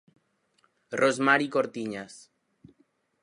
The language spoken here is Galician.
Rosmari Cortiñas.